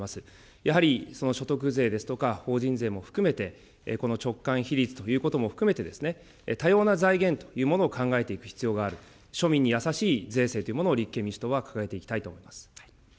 やはりその所得税ですとか、法人税も含めて、このちょっかん比率ということも含めてですね、多様な財源というものを考えていく必要がある、庶民に優しい税制というものを立憲民主党は掲げていきたいと思います。